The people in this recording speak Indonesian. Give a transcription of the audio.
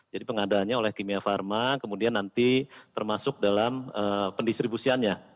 jadi pengadanya oleh kimia farma kemudian nanti termasuk dalam pendistribusiannya